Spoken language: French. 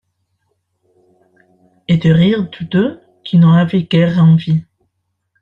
Et de rire tous deux, qui n'en avaient guère envie.